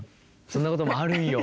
そんなこともあるんよ。